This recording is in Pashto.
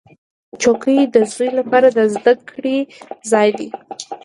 چوکۍ د زوی لپاره د زده کړې ځای دی.